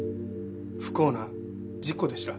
不幸な事故でした。